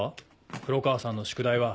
黒川さんの宿題は。